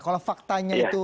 kalau faktanya itu